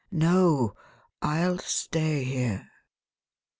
No ! Til stay here."